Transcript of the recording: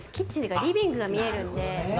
リビングが見えるんで。